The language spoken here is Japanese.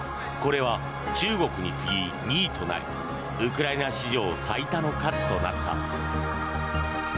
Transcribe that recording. これは中国に次ぎ２位となりウクライナ史上最多の数となった。